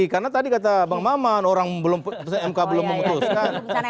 karena tadi kata bang maman orang mk belum memutuskan